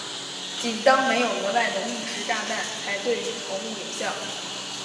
仅当没有额外的命时炸弹才对于头目有效。